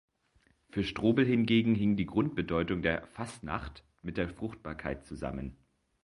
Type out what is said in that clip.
Für Strobel hingegen hing die Grundbedeutung der „Fasnacht“ mit der Fruchtbarkeit zusammen.